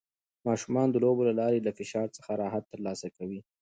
ماشومان د لوبو له لارې له فشار څخه راحت ترلاسه کوي.